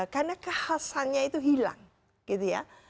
karena kehasannya itu hilang gitu ya